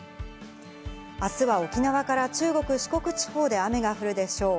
あすは沖縄から中国、四国地方で雨が降るでしょう。